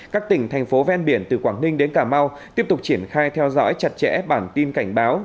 các tỉnh thành phố ven biển từ quảng ninh đến cà mau tiếp tục triển khai theo dõi chặt chẽ bản tin cảnh báo